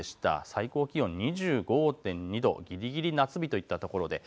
最高気温、２５．２度、ぎりぎり夏日といったところです。